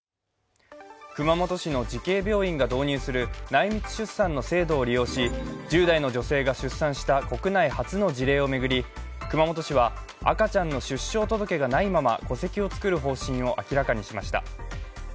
熊本市の慈恵病院が導入する内密出産の制度を利用し、１０代の女性が出産した国内初の事例を巡り、熊本市は、赤ちゃんの出生届がないまま戸籍を作る方針を明らかにしました。